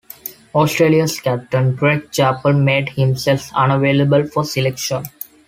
Australia's captain Greg Chappell made himself unavailable for selection.